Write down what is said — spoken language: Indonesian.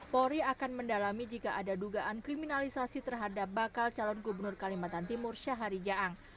polri akan mendalami jika ada dugaan kriminalisasi terhadap bakal calon gubernur kalimantan timur syahari jaang